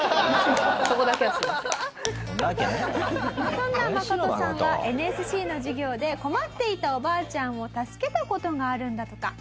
そんな誠さんはＮＳＣの授業で困っていたおばあちゃんを助けた事があるんだとか。